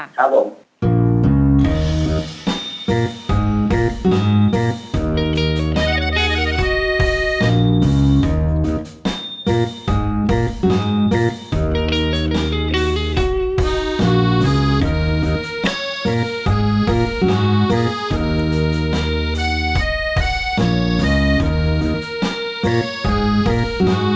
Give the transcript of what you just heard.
ครับผม